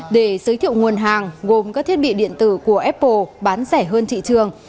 để giới thiệu nguồn hàng gồm các thiết bị điện tử của apple bán rẻ hơn thị trường